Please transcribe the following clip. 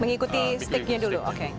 mengikuti stick nya dulu oke